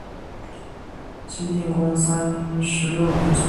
晋定公三十六年卒。